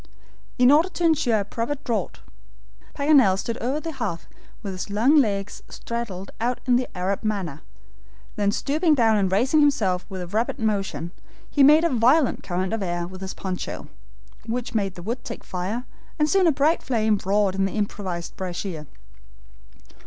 In order to ensure a proper draught, Paganel stood over the hearth with his long legs straddled out in the Arab manner. Then stooping down and raising himself with a rapid motion, he made a violent current of air with his poncho, which made the wood take fire, and soon a bright flame roared in the improvised brasier.